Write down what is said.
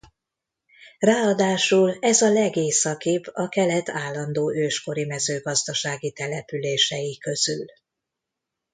Ráadásul ez a legészakibb a kelet állandó őskori mezőgazdasági települései közül.